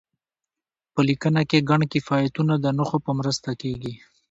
په لیکنه کې ګڼ کیفیتونه د نښو په مرسته کیږي.